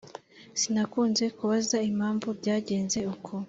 sinakunze kubaza impamvu byagenze uko